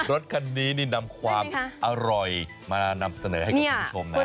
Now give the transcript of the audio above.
รถคันนี้นี่นำความอร่อยมานำเสนอให้กับคุณผู้ชมนะ